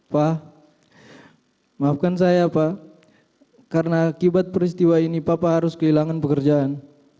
pak maafkan saya pak karena akibat peristiwa ini papa harus kehilangan pekerjaan